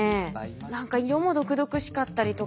何か色も毒々しかったりとか。